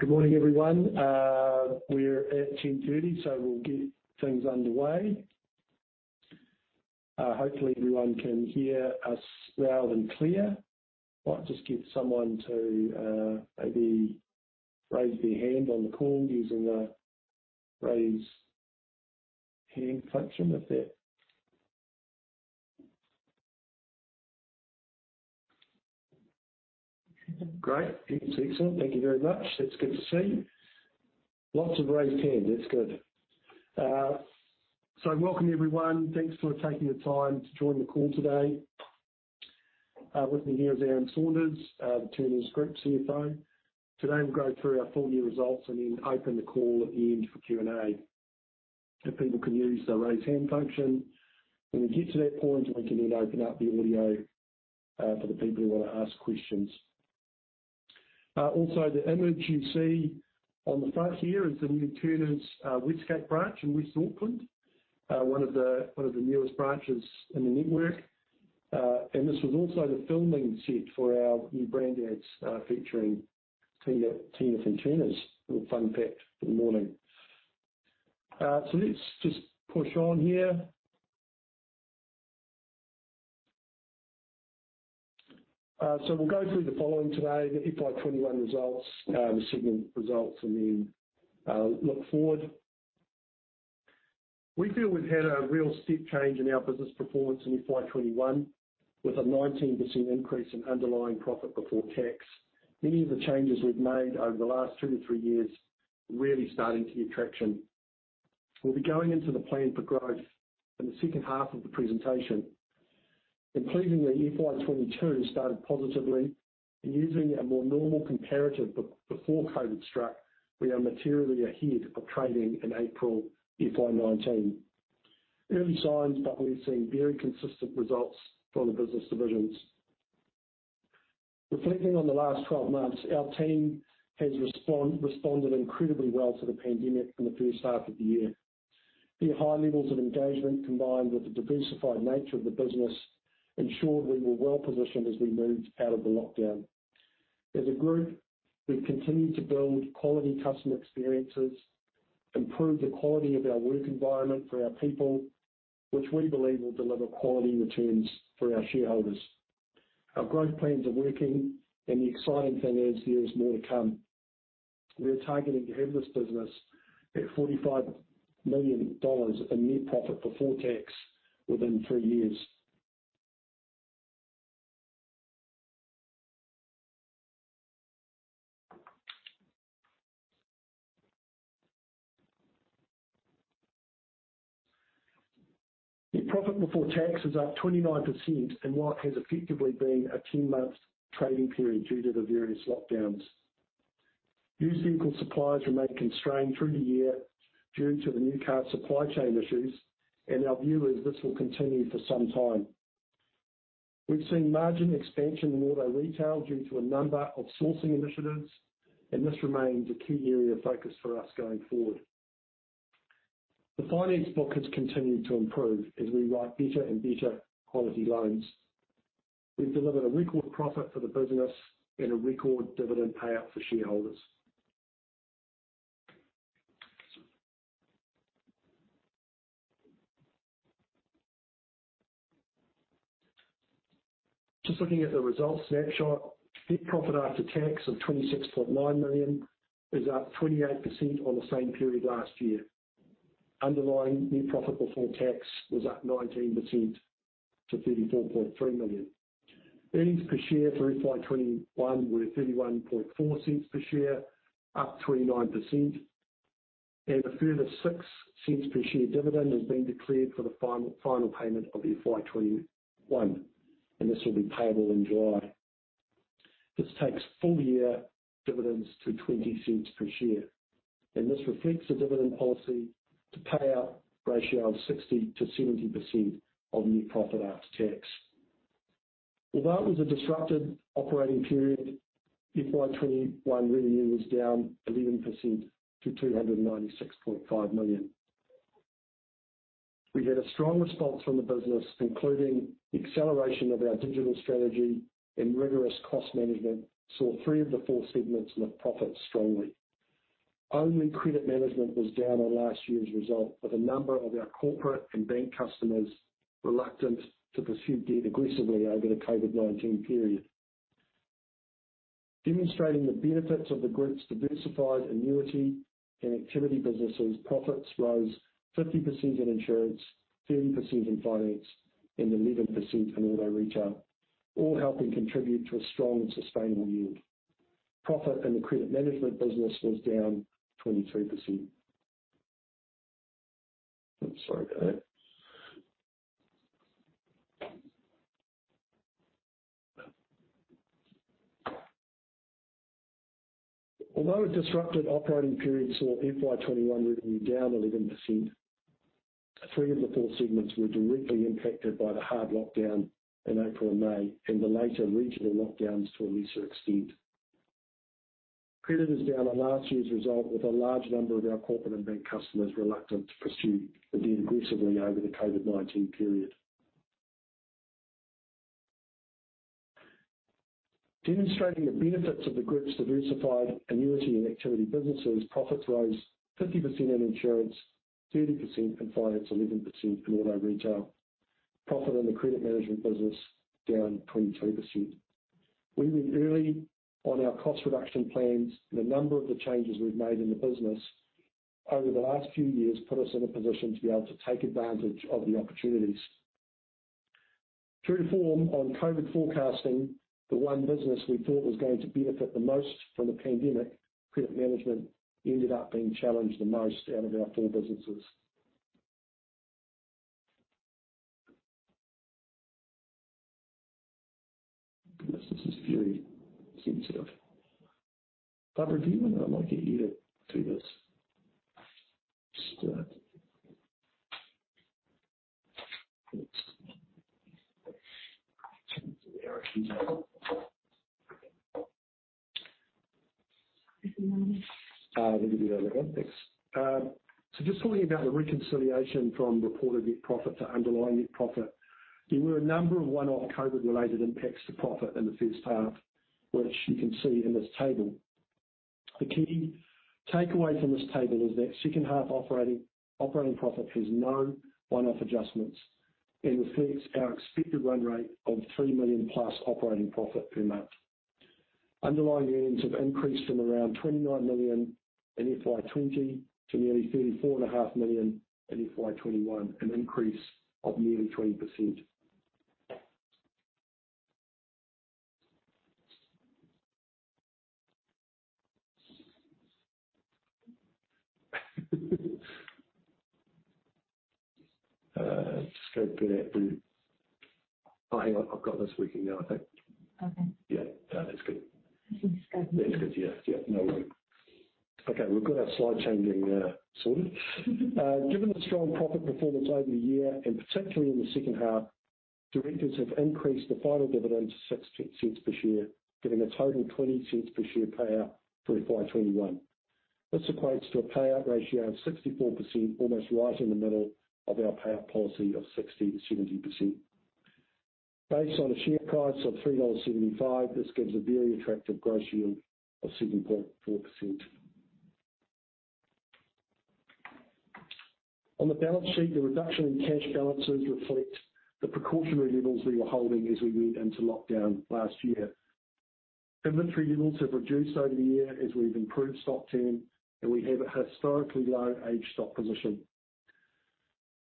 Good morning, everyone. We're at 10:30 AM, so we'll get things underway. Hopefully, everyone can hear us loud and clear. Might just get someone to maybe raise their hand on the call using the raise hand function. Great. Good to see you, sir. Thank you very much. That's good to see. Lots of raised hands. That's good. Welcome, everyone. Thanks for taking the time to join the call today. With me here is Aaron Saunders, the Chairman and Group CFO. Today, we'll go through our full year results and then open the call at the end for Q&A. If people can use the raise hand function. When we get to that point, we can then open up the audio for the people who want to ask questions. The image you see on the front here is the new Turners Westgate branch in West Auckland, one of the newest branches in the network. This was also the filming set for our new brand ads featuring Tina from Turners. A little fun fact for the morning. Let's just push on here. We'll go through the following today, the FY2021 results, the segment results, and then look forward. We feel we've had a real step change in our business performance in FY2021 with a 19% increase in underlying profit before tax. Many of the changes we've made over the last two to three years are really starting to get traction. We'll be going into the plan for growth in the second half of the presentation. Including that FY 2022 started positively and using a more normal comparative before COVID struck, we are materially ahead of trading in April FY 2019. Early signs but we've seen very consistent results from the business divisions. Reflecting on the last 12 months, our team has responded incredibly well to the pandemic in the first half of the year. The high levels of engagement, combined with the diversified nature of the business, ensured we were well-positioned as we moved out of the lockdown. As a group, we've continued to build quality customer experiences, improve the quality of our work environment for our people, which we believe will deliver quality returns for our shareholders. Our growth plans are working, and the exciting thing is there is more to come. We are targeting the headline business at 45 million dollars in net profit before tax within three years. Net profit before tax is up 29%, what has effectively been a 10 months trading period due to the various lockdowns. Used vehicle supplies remain constrained through the year due to the new car supply chain issues, and our view is this will continue for some time. We've seen margin expansion in auto retail due to a number of sourcing initiatives, and this remains a key area of focus for us going forward. The finance book has continued to improve as we write better and better quality loans. We've delivered a record profit for the business and a record dividend payout for shareholders. Just looking at the results snapshot, net profit after tax of 26.9 million is up 28% on the same period last year. Underlying net profit before tax was up 19% to 34.3 million. Earnings per share through FY 2021 were 0.314 per share, up 29%, and a further 0.06 per share dividend has been declared for the final payment of FY 2021, and this will be payable in July. This takes full-year dividends to 0.20 per share, and this reflects the dividend policy to pay out ratio of 60%-70% of net profit after tax. Although it was a disrupted operating period, FY 2021 revenue was down 11% to 296.5 million. We had a strong response from the business, including the acceleration of our digital strategy and rigorous cost management, saw three of the four segments with profit strongly. Only credit management was down on last year's result, with a number of our corporate and bank customers reluctant to pursue debt aggressively over the COVID-19 period. Demonstrating the benefits of the group's diversified annuity and activity businesses, profits rose 50% in insurance, 30% in finance, and 11% in auto retail, all helping contribute to a strong and sustainable yield. Profit in the credit management business was down 22%. Sorry about that. A disrupted operating period saw FY 2021 revenue down 11%, three of the four segments were directly impacted by the hard lockdown in April and May and the later regional lockdowns to a lesser extent. Credit is down on last year's result, with a large number of our corporate and bank customers reluctant to pursue debt aggressively over the COVID-19 period. Demonstrating the benefits of the group's diversified annuity and activity businesses, profits rose 50% in insurance, 30% in finance, 11% in auto retail. Profit in the credit management business was down 22%. We were early on our cost reduction plans, and a number of the changes we've made in the business over the last few years put us in a position to be able to take advantage of the opportunities. True to form, on COVID forecasting, the one business we thought was going to benefit the most from the pandemic, credit management, ended up being challenged the most out of our four businesses. Goodness, this is very sensitive. Barbara, do you mind? I'd like you to read through this stat. Sure. Turn to the actual table. Here's another one. There we go. Thanks. Just talking about the reconciliation from reported net profit to underlying net profit, there were a number of one-off COVID related impacts to profit in the first half, which you can see in this table. The key takeaway from this table is that second half operating profit has no one-off adjustments and reflects our expected run rate of 3 million plus operating profit per month. Underlying earnings have increased from around 29 million in FY 2020 to nearly 34.5 million in FY 2021, an increase of nearly 20%. Let's just go back through. Hang on, I've got this working now, I think. Okay. Yeah. No, that's good. You can just. That's good. No worry. We've got our slide changing sorted. Given the strong profit performance over the year, and particularly in the second half, directors have increased the final dividend to 0.06 per share, giving a total of 0.20 per share payout for FY2021. This equates to a payout ratio of 64%, almost right in the middle of our payout policy of 60%-70%. Based on a share price of 3.75 dollars, this gives a very attractive gross yield of 7.4%. On the balance sheet, the reduction in cash balances reflect the precautionary levels we were holding as we went into lockdown last year. Inventory levels have reduced over the year as we've improved stock turn, and we have a historically low age stock position.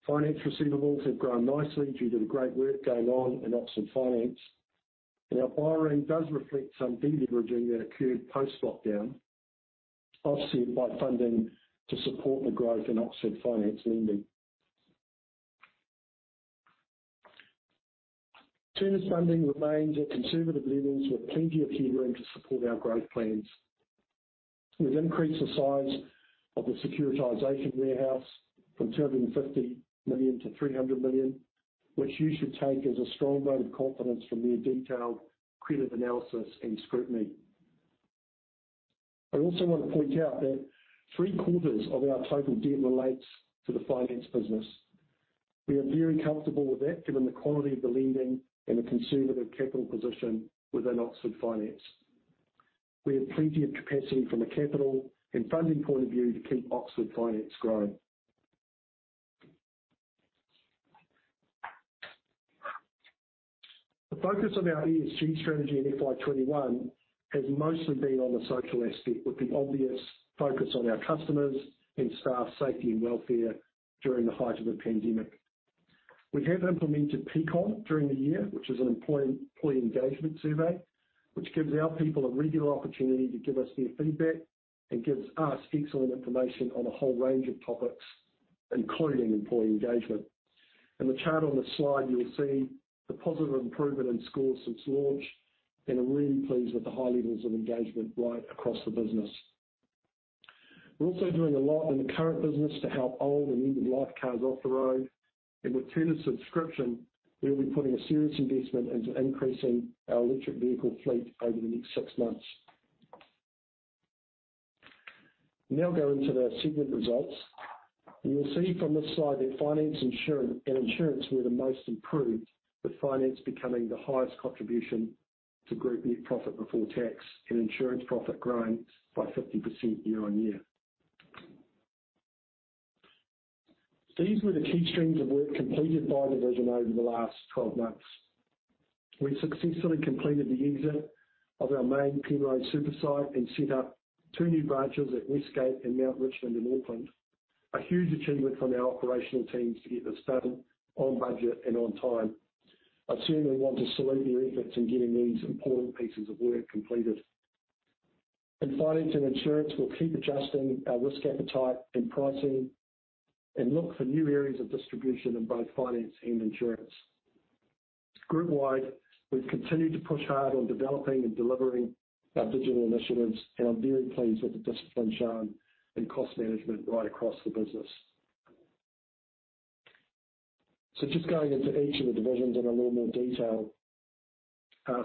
Finance receivables have grown nicely due to the great work going on in Oxford Finance. Our borrowing does reflect some de-leveraging that occurred post-lockdown, offset by funding to support the growth in Oxford Finance lending. Turners funding remains at conservative levels with plenty of headroom to support our growth plans. We've increased the size of the securitization warehouse from 250 million to 300 million, which you should take as a strong vote of confidence from their detailed credit analysis and scrutiny. I also want to point out that three-quarters of our total debt relates to the finance business. We are very comfortable with that given the quality of the lending and the conservative capital position within Oxford Finance. We have plenty of capacity from a capital and funding point of view to keep Oxford Finance growing. The focus of our ESG strategy in FY 2021 has mostly been on the social aspect, with the obvious focus on our customers and staff safety and welfare during the height of the pandemic. We have implemented Peakon during the year, which is an employee engagement survey, which gives our people a regular opportunity to give us their feedback and gives us excellent information on a whole range of topics, including employee engagement. In the chart on this slide, you will see the positive improvement in scores since launch, and I'm really pleased with the high levels of engagement right across the business. We're also doing a lot in the current business to help old and end-of-life cars off the road. With Turners Subscription, we'll be putting a serious investment into increasing our electric vehicle fleet over the next six months. Now go into the segment results. You will see from this slide that finance and insurance were the most improved, with finance becoming the highest contribution to group net profit before tax and insurance profit growing by 50% year on year. These were the key streams of work completed by division over the last 12 months. We successfully completed the exit of our main Penrose Super site and set up two new branches at Westgate and Mt Richmond in Auckland. A huge achievement from our operational teams to get this done on budget and on time. I certainly want to salute their efforts in getting these important pieces of work completed. In finance and insurance, we'll keep adjusting our risk appetite and pricing and look for new areas of distribution in both finance and insurance. Group wide, we've continued to push hard on developing and delivering our digital initiatives, and I'm very pleased with the discipline shown in cost management right across the business. Just going into each of the divisions in a little more detail,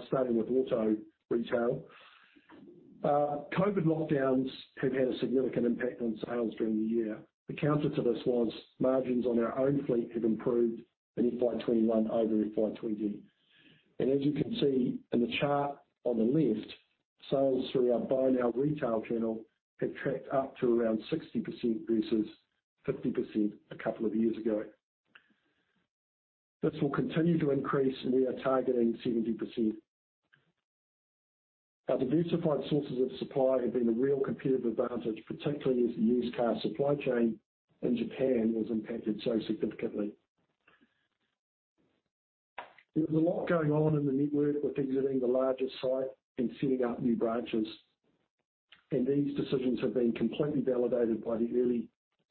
starting with auto retail. COVID lockdowns have had a significant impact on sales during the year. The counter to this was margins on our own fleet have improved in FY2021 over FY20. As you can see in the chart on the left, sales through our Buy Now retail channel have tracked up to around 60% versus 50% a couple of years ago. This will continue to increase, and we are targeting 70%. Our diversified sources of supply have been a real competitive advantage, particularly as the used car supply chain in Japan was impacted so significantly. There was a lot going on in the network with exiting the largest site and setting up new branches, and these decisions have been completely validated by the early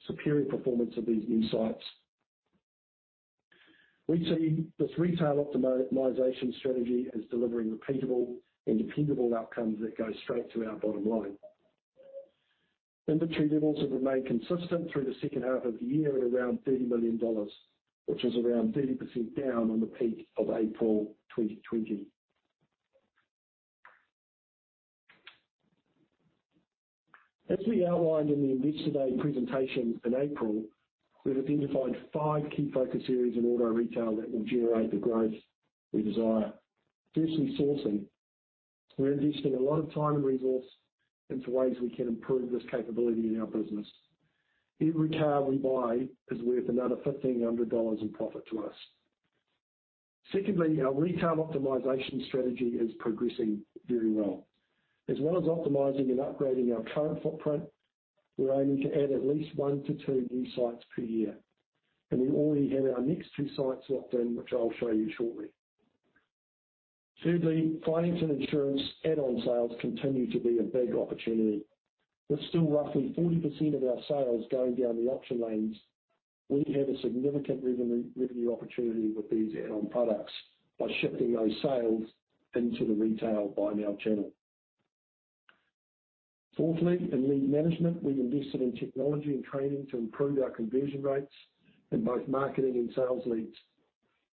superior performance of these new sites. We see this retail optimization strategy as delivering repeatable and dependable outcomes that go straight to our bottom line. Inventory levels have remained consistent through the second half of the year at around 30 million dollars, which is around 30% down on the peak of April 2020. As we outlined in the Investor Day presentation in April, we've identified five key focus areas in auto retail that will generate the growth we desire. Firstly, sourcing. We're investing a lot of time and resource into ways we can improve this capability in our business. Every car we buy is worth another 1,500 dollars in profit to us. Secondly, our retail optimization strategy is progressing very well. As well as optimizing and upgrading our current footprint, we're aiming to add at least one to two new sites per year, and we already have our next two sites locked in, which I'll show you shortly. Thirdly, finance and insurance add-on sales continue to be a big opportunity, with still roughly 40% of our sales going down the auction lanes, we have a significant revenue opportunity with these add-on products by shifting those sales into the retail Buy Now channel. Fourthly, in lead management, we invested in technology and training to improve our conversion rates in both marketing and sales leads.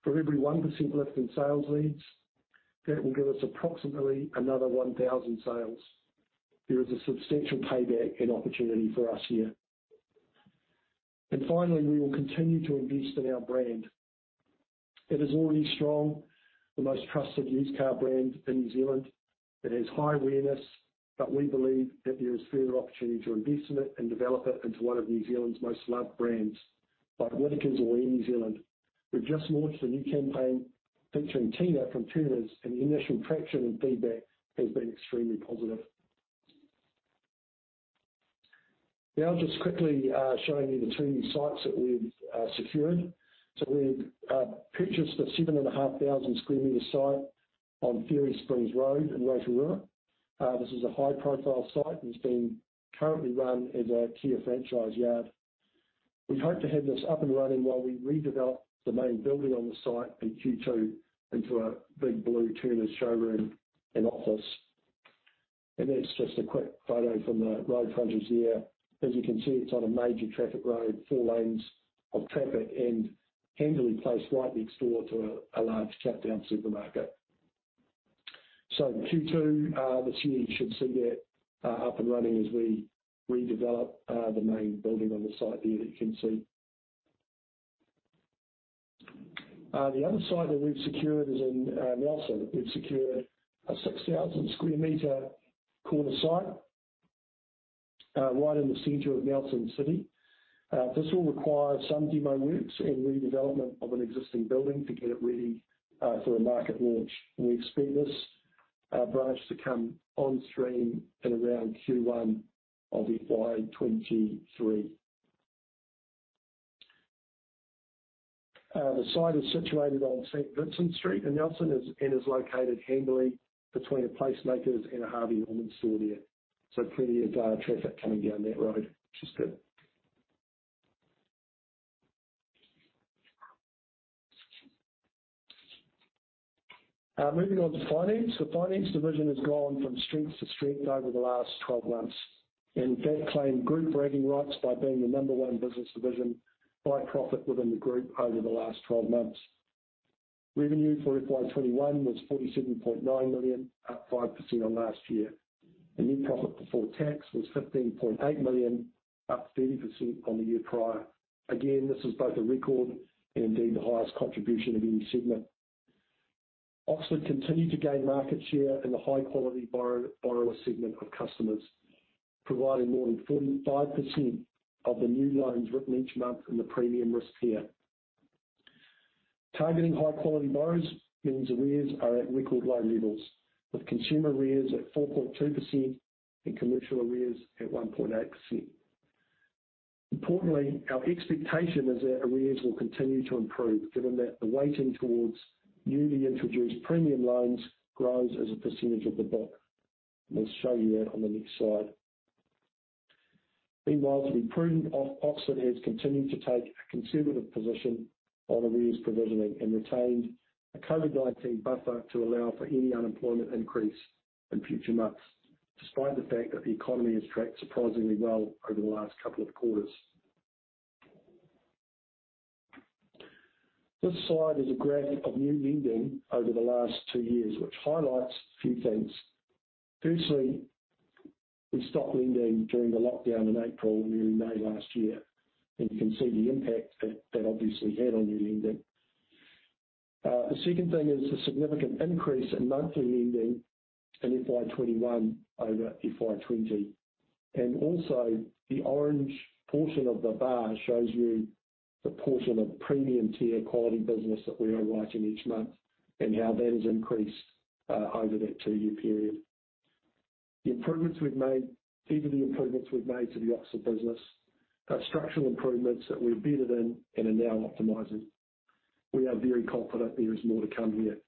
For every 1% lift in sales leads, that will give us approximately another 1,000 sales. There is a substantial payback and opportunity for us here. Finally, we will continue to invest in our brand. It is already strong, the most trusted used car brand in New Zealand. It has high awareness, we believe that there is further opportunity to invest in it and develop it into one of New Zealand's most loved brands, like Whittaker's or Air New Zealand. We've just launched a new campaign featuring Tina from Turners, and the initial traction and feedback has been extremely positive. Now I'll just quickly show you the two new sites that we've secured. We've purchased a 7,500 sq m site on Fairy Springs Road in Rotorua. This is a high-profile site that's being currently run as a Kia franchise yard. We hope to have this up and running while we redevelop the main building on the site in Q2 into a big blue Turners showroom and office. That's just a quick photo from the road frontage there. As you can see, it's on a major traffic road, four lanes of traffic, and handily placed right next door to a large Countdown supermarket. In Q2 this year, you should see that up and running as we redevelop the main building on the site there that you can see. The other site that we've secured is in Nelson. We've secured a 6,000 sq m corner site right in the center of Nelson City. This will require some demo works and redevelopment of an existing building to get it ready for a market launch. We expect this branch to come onstream at around Q1 of FY 2023. The site is situated on St. Vincent Street in Nelson and is located handily between a PlaceMakers and a Harvey Norman store there. Plenty of traffic coming down that road, which is good. Moving on to finance. The finance division has gone from strength to strength over the last 12 months, that claimed group bragging rights by being the number one business division by profit within the group over the last 12 months. Revenue for FY2021 was 47.9 million, up 5% on last year. Net profit before tax was 15.8 million, up 30% on the year prior. Again, this was both a record and indeed the highest contribution of any segment. Oxford continued to gain market share in the high-quality borrower segment of customers, providing more than 45% of the new loans written each month in the premium risk tier. Targeting high-quality borrowers means arrears are at record low levels, with consumer arrears at 4.2% and commercial arrears at 1.8%. Importantly, our expectation is that arrears will continue to improve, given that the weighting towards newly introduced premium loans grows as a percentage of the book. We'll show you that on the next slide. Meanwhile, to be prudent, Oxford has continued to take a conservative position on arrears provisioning and retained a COVID-19 buffer to allow for any unemployment increase in future months, despite the fact that the economy has tracked surprisingly well over the last couple of quarters. This slide is a graph of new lending over the last two years, which highlights a few things. Firstly, we stopped lending during the lockdown in April and May last year, and you can see the impact that obviously had on new lending. The second thing is the significant increase in monthly lending in FY2021 over FY2020, and also the orange portion of the bar shows you the portion of premium tier quality business that we are writing each month and how that has increased over that two-year period. The improvements we've made, key to the improvements we've made to the Oxford Finance are structural improvements that we're embedded in and are now optimizing. We are very confident there is more to come here.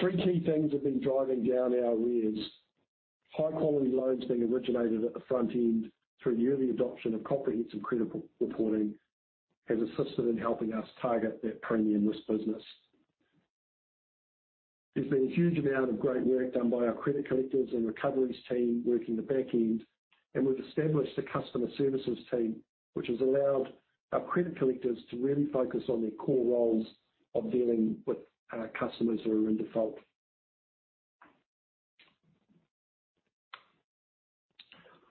Three key things have been driving down our arrears. High-quality loans being originated at the front end through early adoption of comprehensive credit reporting has assisted in helping us target that premium risk business. There's been a huge amount of great work done by our credit collectors and recoveries team working the back end, and we've established a customer services team, which has allowed our credit collectors to really focus on their core roles of dealing with customers who are in default.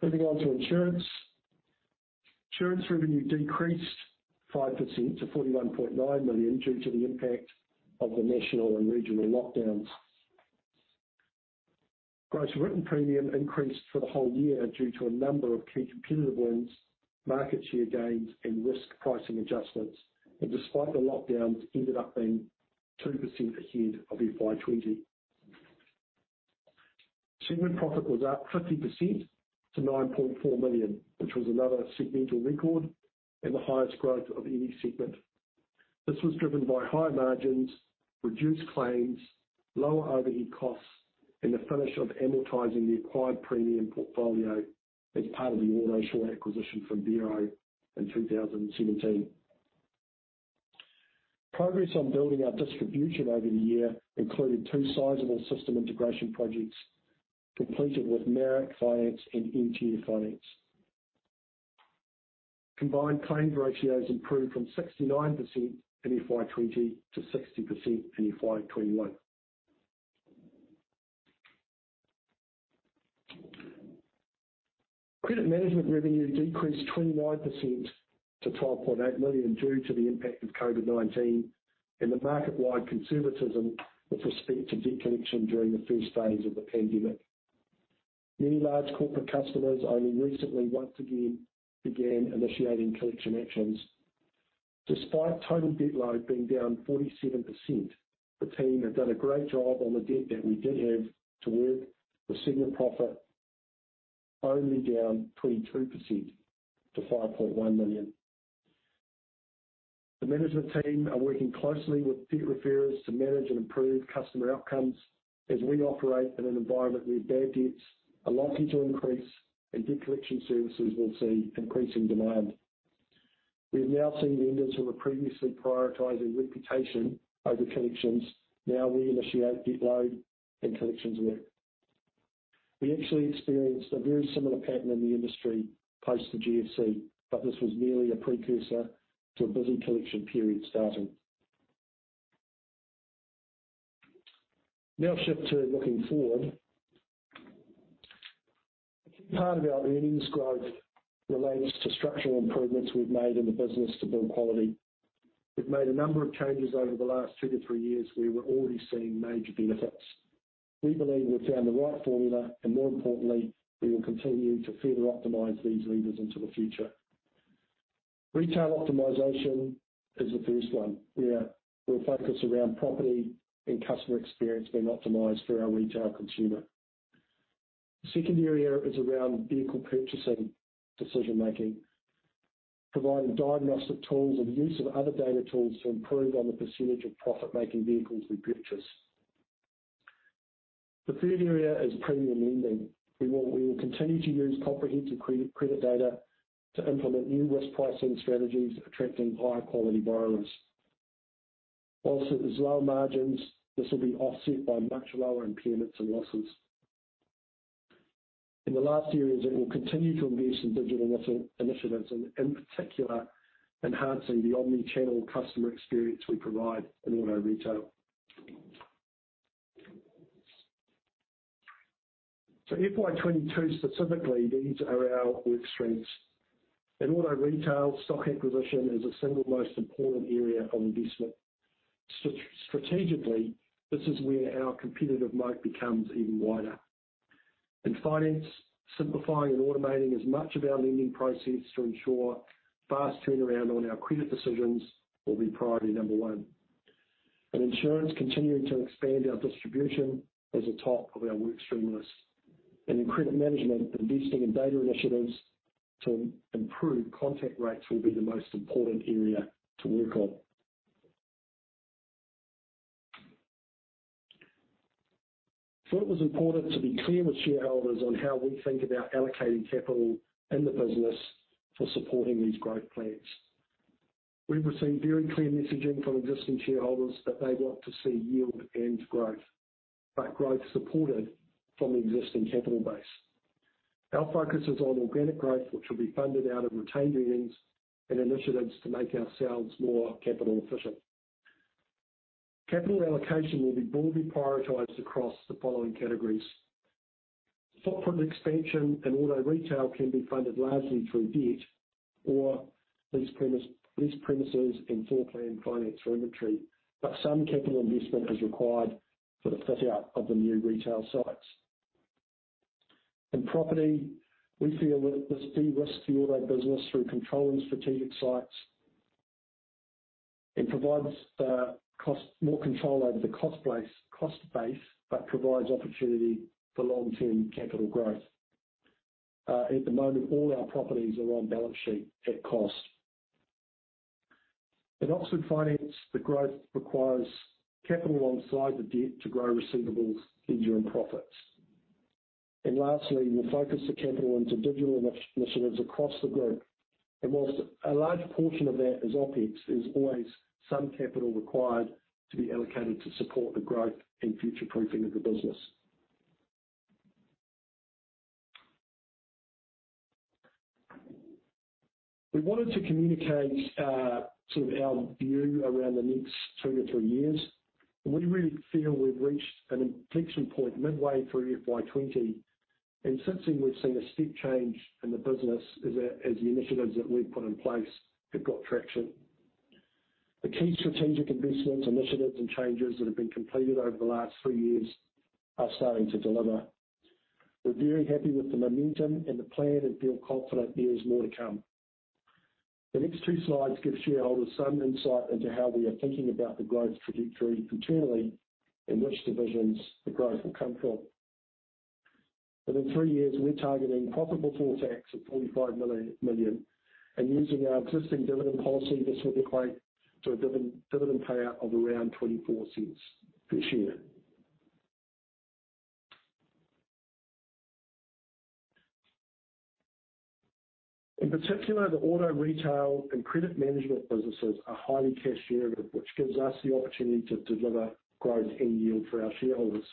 Moving on to insurance. Insurance revenue decreased 5% to 41.9 million due to the impact of the national and regional lockdowns. Gross written premium increased for the whole year due to a number of key competitive wins, market share gains, and risk pricing adjustments. Despite the lockdowns, ended up being 2% ahead of FY2020. Segment profit was up 50% to 9.4 million, which was another segmental record and the highest growth of any segment. This was driven by high margins, reduced claims, lower overhead costs, and the finish of amortizing the acquired premium portfolio as part of the Autosure acquisition from Vero in 2017. Progress on building our distribution over the year included two sizable system integration projects completed with Marac Finance and MTF Finance. Combined claims ratios improved from 69% in FY 2020 to 60% in FY 2021. Credit management revenue decreased 29% to 12.8 million due to the impact of COVID-19 and the market-wide conservatism with respect to debt collection during the first phase of the pandemic. Many large corporate customers only recently once again began initiating collection actions. Despite total debt load being down 47%, the team have done a great job on the debt that we did have to work with segment profit only down 22% to 5.1 million. The management team are working closely with debt referrers to manage and improve customer outcomes as we operate in an environment where bad debts are likely to increase and debt collection services will see increasing demand. We've now seen lenders who were previously prioritizing reputation over collections now reinitiate debt load and collections work. We actually experienced a very similar pattern in the industry post the GFC, this was merely a precursor to a busy collection period starting. Shift to looking forward. A key part of our earnings growth relates to structural improvements we've made in the business to build quality. We've made a number of changes over the last two to three years where we're already seeing major benefits. We believe we've found the right formula, more importantly, we will continue to further optimize these levers into the future. Retail optimization is the first one, where we're focused around property and customer experience being optimized for our retail consumer. The second area is around vehicle purchasing decision-making, providing diagnostic tools and use of other data tools to improve on the percentage of profit-making vehicles we purchase. The third area is premium lending. We will continue to use comprehensive credit data to implement new risk pricing strategies, attracting higher quality borrowers. Whilst there's lower margins, this will be offset by much lower impairments and losses. In the last areas, we will continue to invest in digital initiatives, in particular, enhancing the omni-channel customer experience we provide in auto retail. FY2022 specifically, these are our work streams. In auto retail, stock acquisition is the single most important area of investment. Strategically, this is where our competitive moat becomes even wider. In finance, simplifying and automating as much of our lending process to ensure fast turnaround on our credit decisions will be priority number one. In insurance, continuing to expand our distribution is the top of our work stream list. In credit management, investing in data initiatives to improve contact rates will be the most important area to work on. It was important to be clear with shareholders on how we think about allocating capital in the business for supporting these growth plans. We've received very clear messaging from existing shareholders that they want to see yield and growth, but growth supported from the existing capital base. Our focus is on organic growth, which will be funded out of retained earnings and initiatives to make ourselves more capital efficient. Capital allocation will be broadly prioritized across the following categories. Footprint expansion and auto retail can be funded largely through debt or leased premises and floor planned finance for inventory, but some capital investment is required for the fit-out of the new retail sites. In property, we feel that this de-risks the auto business through controlling strategic sites. It provides more control over the cost base, but provides opportunity for long-term capital growth. At the moment, all our properties are on balance sheet at cost. In Oxford Finance, the growth requires capital alongside the debt to grow receivables and earn profits. Lastly, we'll focus the capital into digital initiatives across the group. Whilst a large portion of that is OpEx, there's always some capital required to be allocated to support the growth and future-proofing of the business. We wanted to communicate our view around the next two to three years. We really feel we've reached an inflection point midway through FY 2020. Since then, we've seen a steep change in the business as the initiatives that we've put in place have got traction. The key strategic investments, initiatives, and changes that have been completed over the last three years are starting to deliver. We're very happy with the momentum and the plan and feel confident there is more to come. The next two slides give shareholders some insight into how we are thinking about the growth trajectory internally and which divisions the growth will come from. Within three years, we're targeting profit before tax of 45 million, and using our existing dividend policy, this will equate to a dividend payout of around 0.24 per share. In particular, the auto retail and credit management businesses are highly cash generative, which gives us the opportunity to deliver growth and yield for our shareholders.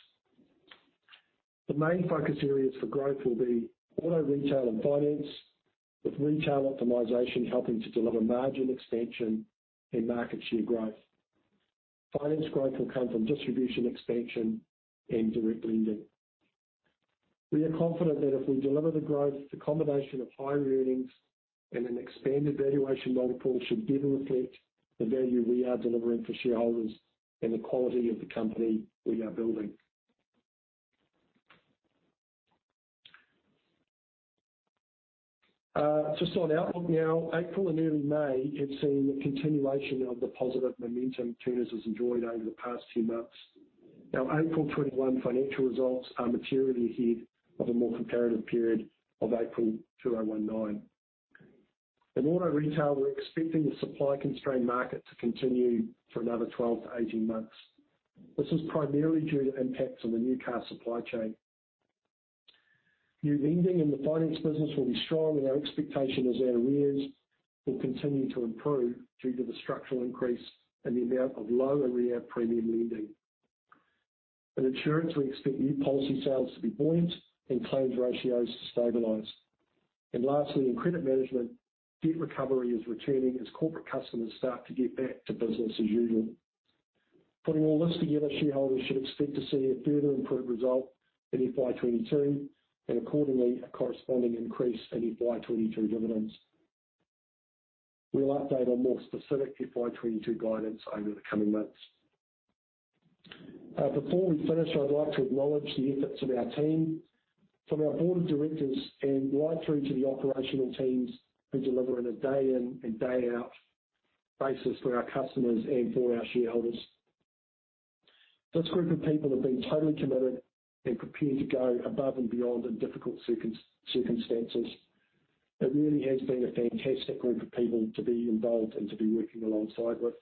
The main focus areas for growth will be auto retail and finance, with retail optimization helping to deliver margin expansion and market share growth. Finance growth will come from distribution expansion and direct lending. We are confident that if we deliver the growth, the combination of higher earnings and an expanded valuation multiple should better reflect the value we are delivering for shareholders and the quality of the company we are building. Just on outlook now, April and early May have seen a continuation of the positive momentum Turners has enjoyed over the past few months. Our April 2021 financial results are materially ahead of the more comparative period of April 2019. In auto retail, we're expecting the supply-constrained market to continue for another 12-18 months. This is primarily due to impacts on the new car supply chain. New lending in the finance business will be strong, our expectation is our arrears will continue to improve due to the structural increase and the amount of low arrear premium lending. In insurance, we expect new policy sales to be buoyant and claims ratios to stabilize. Lastly, in credit management, debt recovery is returning as corporate customers start to get back to business as usual. Putting all this together, shareholders should expect to see a further improved result in FY 2022, and accordingly, a corresponding increase in FY 2022 dividends. We'll update on more specific FY 2022 guidance over the coming months. Before we finish, I'd like to acknowledge the efforts of our team, from our board of directors and right through to the operational teams who deliver on a day in and day out basis for our customers and for our shareholders. This group of people have been totally committed and prepared to go above and beyond in difficult circumstances. It really has been a fantastic group of people to be involved and to be working alongside with.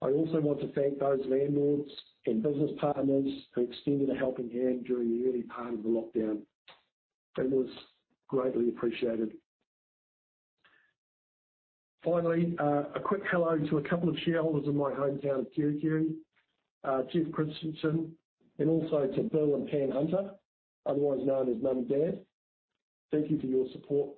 I also want to thank those landlords and business partners who extended a helping hand during the early part of the lockdown. It was greatly appreciated. Finally, a quick hello to a couple of shareholders in my hometown of Kerikeri, Jeff Christensen, and also to Bill and Pam Hunter, otherwise known as Mum and Dad. Thank you for your support.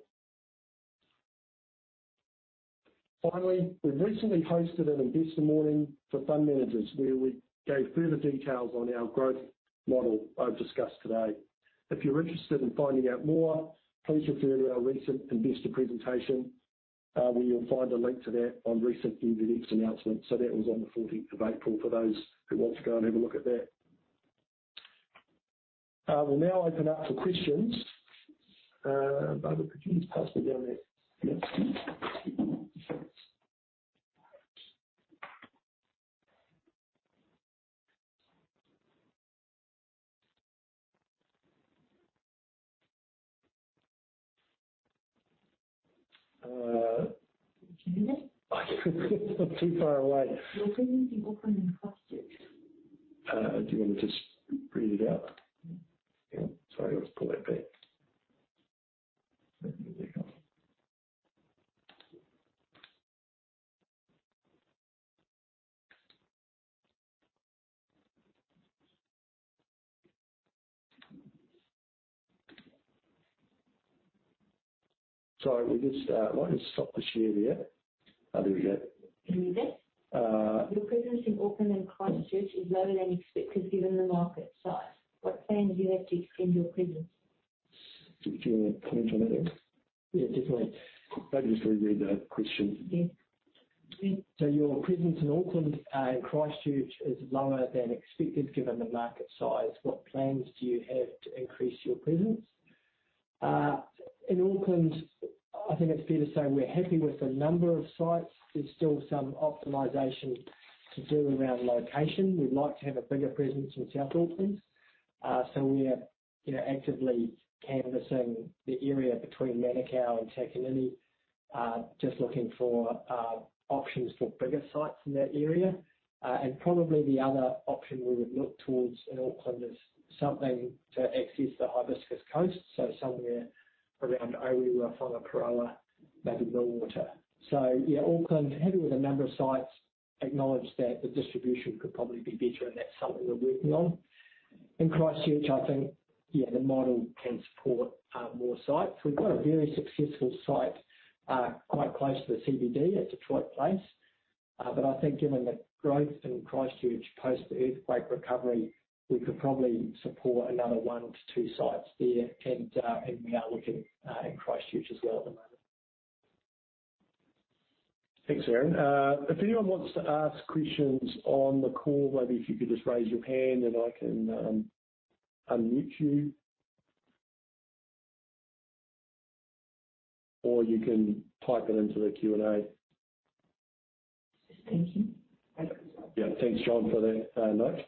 Finally, we recently hosted an investor morning for fund managers where we gave further details on our growth model I've discussed today. If you're interested in finding out more, please refer to our recent investor presentation, where you'll find a link to that on recent NZX announcements. That was on the 14th of April for those who want to go and have a look at that. I will now open up for questions. Barbara, could you pass me down that mouse, please? Can you hear me? I'm too far away. You're getting the opening [objects]. Do you want to just read it out? Sorry, I'll just pull that back. There we go. Sorry, we just might just stop the share there. How did we go? Read this? Your presence in Auckland and Christchurch is lower than expected given the market size. What plans do you have to extend your presence? Do you want to comment on that, Aaron? Yeah, definitely. Maybe just reread the question. Yeah. Your presence in Auckland and Christchurch is lower than expected given the market size. What plans do you have to increase your presence? In Auckland, I think it's fair to say we're happy with the number of sites. There's still some optimization to do around location. We'd like to have a bigger presence in South Auckland. We're actively canvassing the area between Manukau and Takanini, just looking for options for bigger sites in that area. Probably the other option we would look towards in Auckland is something to access the Hibiscus Coast, so somewhere around Orewa, Whangaparaoa, maybe Millwater. Yeah, Auckland, happy with the number of sites, acknowledge that the distribution could probably be better, and that's something we're working on. In Christchurch, I think, yeah, the model can support more sites. We've got a very successful site quite close to the CBD at Detroit Place. I think given the growth in Christchurch post the earthquake recovery, we could probably support another one to two sites there. We are looking in Christchurch as well at the moment. Thanks, Aaron. If anyone wants to ask questions on the call, maybe if you could just raise your hand and I can unmute you. Or you can type it into the Q&A. Thank you. Yeah. Thanks, John, for that note.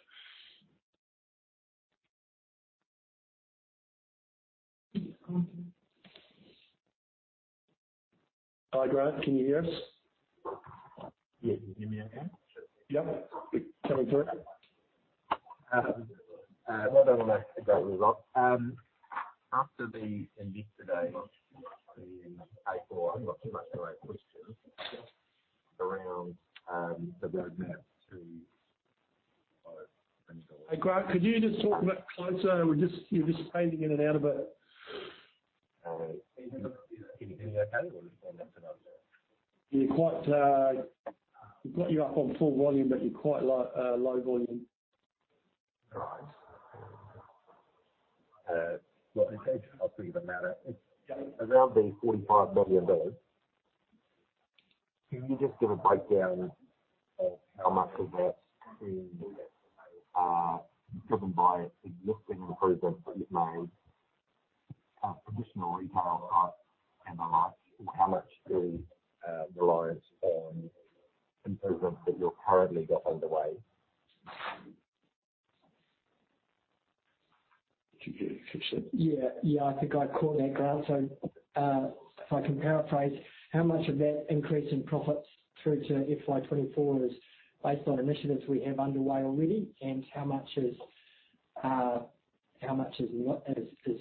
Hi, Grant, can you hear us? Yeah. Can you hear me okay? Yeah. Coming through. I don't want to take up a lot. After the update today, in April, I've not too much of a question around the roadmap to- Hey, Grant, could you just talk a bit closer? You're just fading in and out a bit. Can you hear me okay or is it coming up now? We've got you up on full volume, but you're quite low volume. Right. Well, it's actually not really the matter. It's around the 45 million dollars. Can you just give a breakdown of how much of that is driven by existing improvements that you've made, additional retail sites and the like, and how much is reliant on improvements that you've currently got underway? Did you get it, Aaron? Yeah. I think I caught that, Grant. If I can paraphrase, how much of that increase in profits through to FY 2024 is based on initiatives we have underway already, and how much is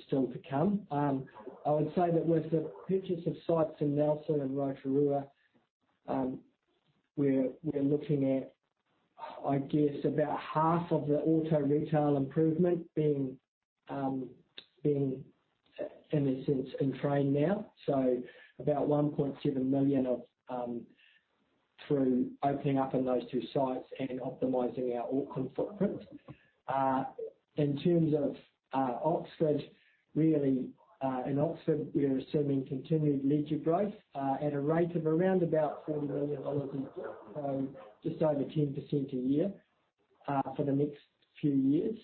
still to come? I would say that with the purchase of sites in Nelson and Rotorua, we're looking at, I guess about half of the auto retail improvement being in a sense in train now, so about 1.7 million through opening up in those two sites and optimizing our Auckland footprint. In terms of Oxford, really in Oxford, we are assuming continued ledger growth at a rate of around about NZD 40 million, so just over 10% a year for the next few years.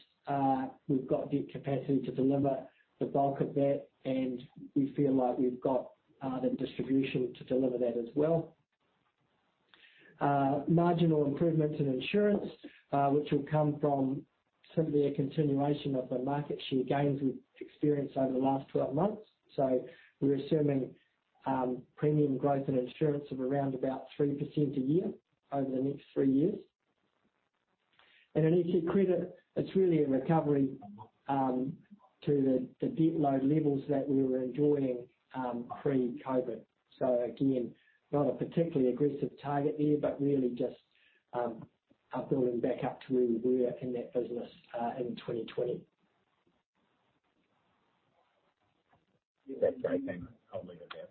We've got the capacity to deliver the bulk of that, and we feel like we've got the distribution to deliver that as well. Marginal improvements in insurance, which will come from simply a continuation of the market share gains we've experienced over the last 12 months. We're assuming premium growth in insurance of around about 3% a year over the next three years. In EC Credit, it's really a recovery to the debt load levels that we were enjoying pre-COVID. Again, not a particularly aggressive target there, but really just building back up to where we were in that business in 2020. Okay. Thanks. I'll leave it there.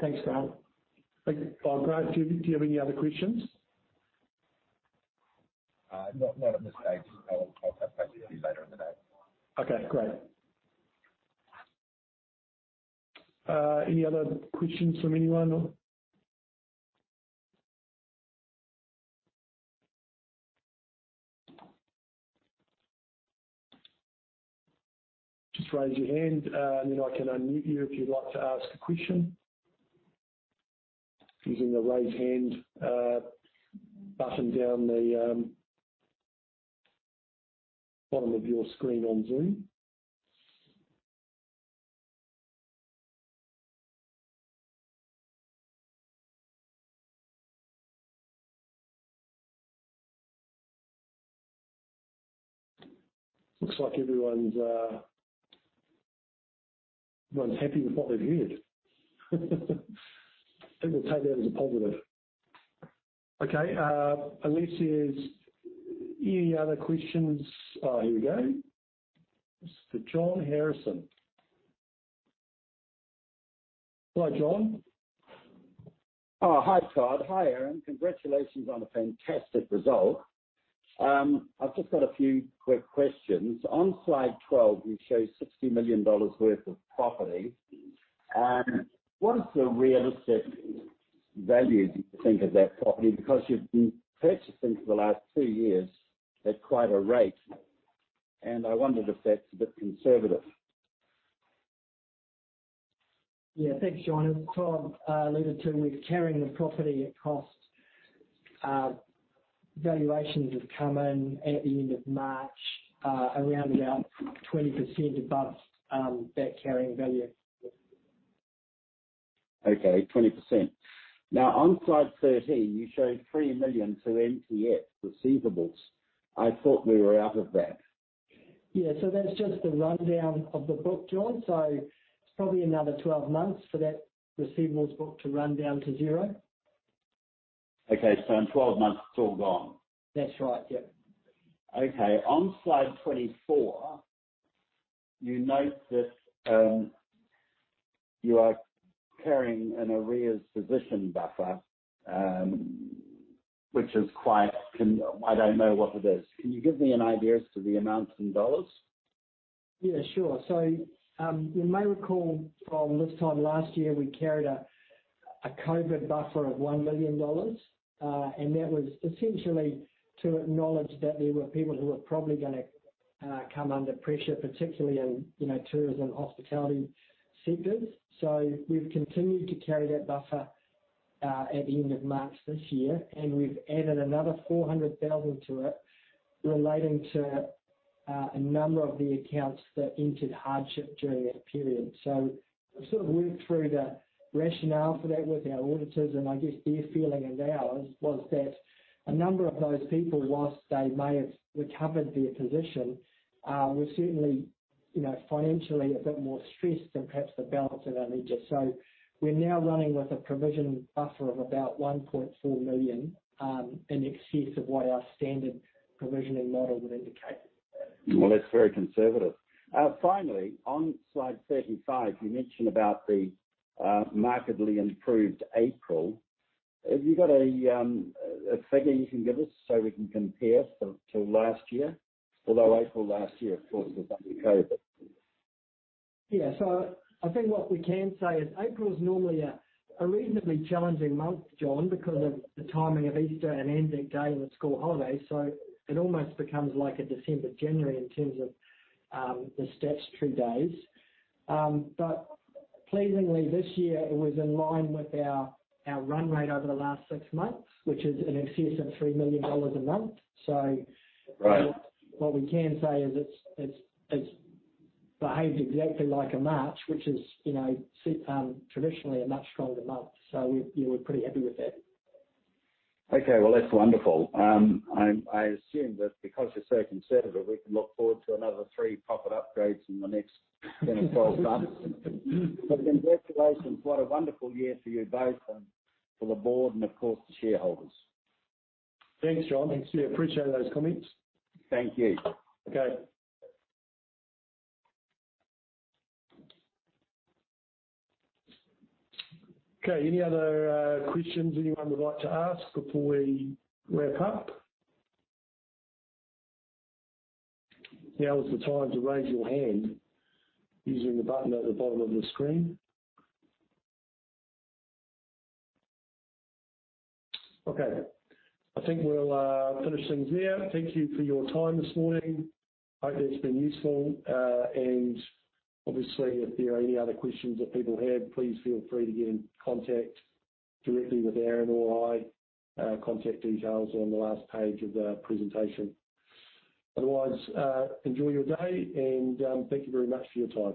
Thanks, Grant. Thanks. Grant, do you have any other questions? Not at this stage. I'll catch back with you later in the day. Okay, great. Any other questions from anyone? Just raise your hand, and then I can unmute you if you'd like to ask a question. Using the raise hand button down the bottom of your screen on Zoom. Looks like everyone's happy with what they've heard. We'll take that as a positive. Okay, unless there's any other questions. Oh, here we go. It's to John Harrison. Hello, John. Oh, hi, Todd. Hi, Aaron. Congratulations on a fantastic result. I've just got a few quick questions. On slide 12, you show 60 million dollars worth of property. What is the realistic value do you think of that property? Because you've been purchasing for the last two years at quite a rate, and I wondered if that's a bit conservative. Yeah. Thanks, John. As Todd alluded to, we're carrying the property at cost. Valuations have come in at the end of March, around about 20% above that carrying value. Okay, 20%. On slide 13, you showed 3 million to MTF receivables. I thought we were out of that. Yeah. That's just the rundown of the book, John. It's probably another 12 months for that receivables book to run down to zero. Okay, in 12 months, it's all gone. That's right. Yep. Okay. On slide 24, you note that you are carrying an arrears position buffer, I don't know what it is. Can you give me an idea as to the amount in dollars? Yeah, sure. You may recall from this time last year, we carried a COVID buffer of 1 million dollars, and that was essentially to acknowledge that there were people who were probably gonna come under pressure, particularly in tourism, hospitality sectors. We've continued to carry that buffer, at the end of March this year, and we've added another 400,000 to it relating to a number of the accounts that entered hardship during that period. We've sort of worked through the rationale for that with our auditors, and I guess their feeling and ours was that a number of those people, whilst they may have recovered their position, were certainly financially a bit more stressed than perhaps the balance that I mentioned. We're now running with a provision buffer of about 1.4 million, in excess of what our standard provisioning model would indicate. Well, that's very conservative. On slide 35, you mention about the markedly improved April. Have you got a figure you can give us so we can compare to last year? April last year, of course, was under COVID-19. I think what we can say is April is normally a reasonably challenging month, John, because of the timing of Easter and Anzac Day and the school holidays. It almost becomes like a December/January in terms of the statutory days. Pleasingly, this year it was in line with our run rate over the last six months, which is in excess of 3 million dollars a month. Right What we can say is it's behaved exactly like a March, which is traditionally a much stronger month. We're pretty happy with that. Okay. Well, that's wonderful. I assume that because you're so conservative, we can look forward to another three profit upgrades in the next 10 or 12 months. Congratulations. What a wonderful year for you both and for the board and of course the shareholders. Thanks, John. Thanks. Appreciate those comments. Thank you. Okay. Okay, any other questions anyone would like to ask before we wrap up? Now is the time to raise your hand using the button at the bottom of the screen. Okay, I think we'll finish things there. Thank you for your time this morning. Hope that's been useful. Obviously, if there are any other questions that people have, please feel free to get in contact directly with Aaron or I. Contact details are on the last page of the presentation. Otherwise, enjoy your day and thank you very much for your time.